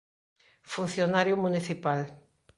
Funcionario municipal.